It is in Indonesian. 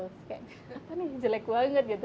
terus kayak apa nih jelek banget gitu